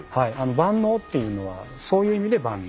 万能というのはそういう意味で万能。